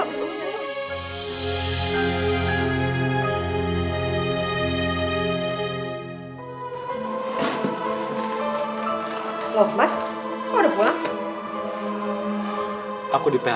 loh mas kau udah pulang